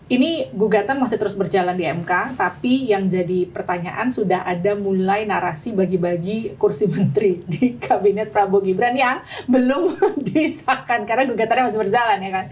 ini gugatan masih terus berjalan di mk tapi yang jadi pertanyaan sudah ada mulai narasi bagi bagi kursi menteri di kabinet prabowo gibran yang belum disahkan karena gugatannya masih berjalan ya kan